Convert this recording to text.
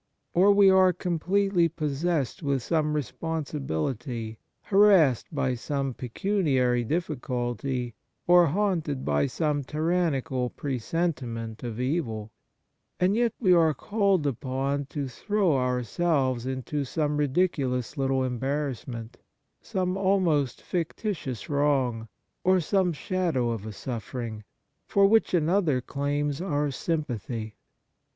Or we are completely pos sessed with some responsibility, harassed by some pecuniary difficulty, or haunted by some tyrannical presentiment of evil, and yet we are called upon to throw our selves into some ridiculous little embar rassment, some almost fictitious wrong, or some shadow of a suffering, for which 6 82 Kindness another claims our sympathy.